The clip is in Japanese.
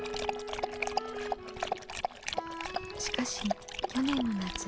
しかし去年の夏。